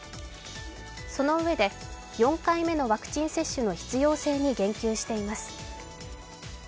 そのうえで、４回目のワクチン接種の必要性に言及しています。